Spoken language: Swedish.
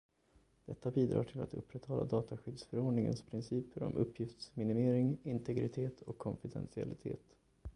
Detta bidrar till att upprätthålla dataskyddsförordningens principer om uppgiftsminimering, integritet och konfidentialitet.